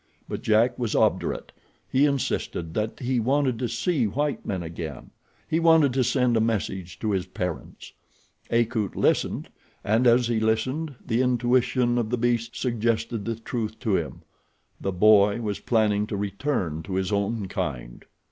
But Jack was obdurate. He insisted that he wanted to see white men again. He wanted to send a message to his parents. Akut listened and as he listened the intuition of the beast suggested the truth to him—the boy was planning to return to his own kind.